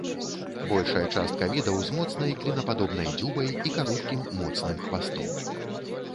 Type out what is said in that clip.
Большая частка відаў з моцнай, клінападобнай дзюбай і кароткім, моцным хвастом.